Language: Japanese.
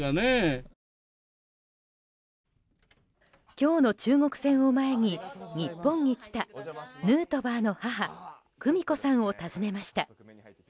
今日の中国戦を前に日本に来たヌートバーの母・久美子さんを訪ねました。